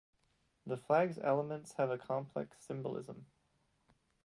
The flag's elements have a complex symbolism.